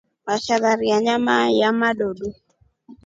Mashalari ya nyama nyomadoodu.